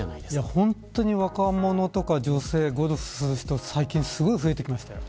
本当に若者とか女性ゴルフをする人が増えてきました。